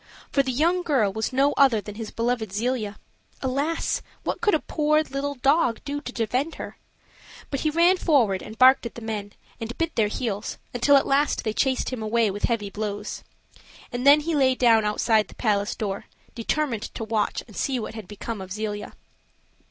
for the young girl was no other than his beloved Zelia. Alas! what could a poor little dog do to defend her? But he ran forward and barked at the men, and bit their heels, until at last they chased him away with heavy blows. And then he lay down outside the palace door, determined to watch and see what had become of Zelia.